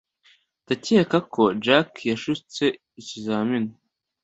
Ndakeka ko Jack yashutse ikizamini.